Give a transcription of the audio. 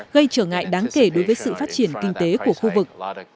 gây trở ngại đáng kể đối với sự phát triển kinh tế của khu vực